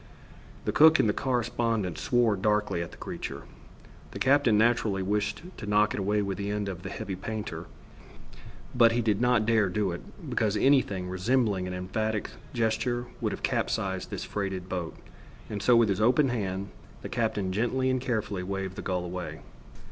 The cook and the correspondent swore darkly at the creature. The captain naturally wished to knock it away with the end of the heavy painter; but he did not dare do it, because anything resembling an emphatic gesture would have capsized this freighted boat, and so with his open hand, the captain gently and carefully waved the gull away.